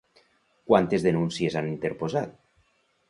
Quantes denúncies han interposat?